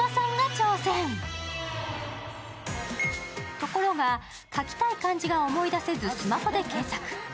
ところが、書きたい漢字が思い出せずスマホで検索。